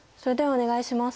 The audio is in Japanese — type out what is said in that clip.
お願いします。